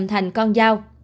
trở thành con dao